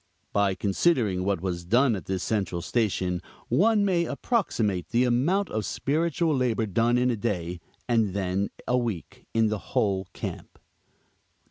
By considering what was done at this central station one may approximate the amount of spiritual labor done in a day, and then a week in the whole camp: 1.